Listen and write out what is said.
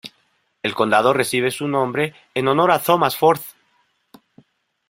El condado recibe su nombre en honor a Thomas Ford.